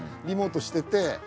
リモートしてて。